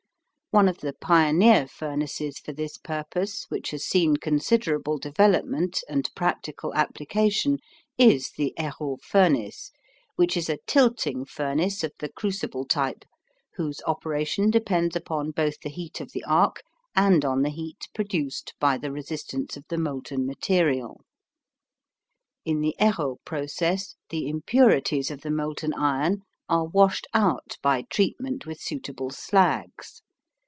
One of the pioneer furnaces for this purpose which has seen considerable development and practical application is the Heroult furnace, which is a tilting furnace of the crucible type, whose operation depends upon both the heat of the arc and on the heat produced by the resistance of the molten material. In the Heroult process the impurities of the molten iron are washed out by treatment with suitable slags.